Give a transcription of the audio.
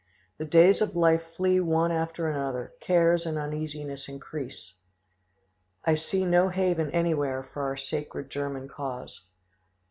The days of life flee one after another; cares and uneasiness increase; I see no haven anywhere for our sacred German cause.